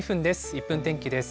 １分天気です。